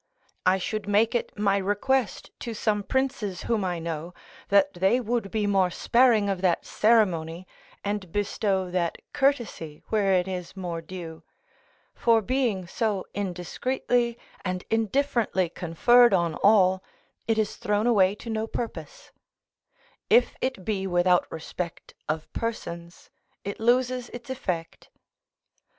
I should make it my request to some princes whom I know, that they would be more sparing of that ceremony, and bestow that courtesy where it is more due; for being so indiscreetly and indifferently conferred on all, it is thrown away to no purpose; if it be without respect of persons, it loses its effect.